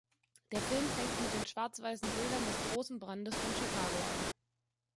Der Film fängt mit den schwarz-weißen Bildern des Großen Brandes von Chicago an.